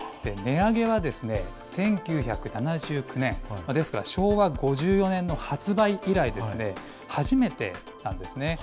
値上げは１９７９年、ですから昭和５４年の発売以来、初めてなんですね。